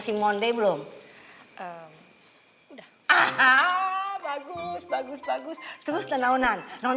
sebentar ada telepon